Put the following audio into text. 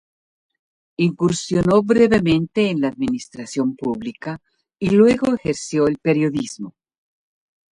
Incursionó brevemente en la administración pública y luego ejerció el periodismo.